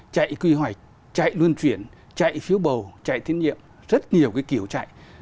chạy quy hoạch chạy luân chuyển chạy phiếu bầu chạy tiến nhiệm rất nhiều cái kiểu chạy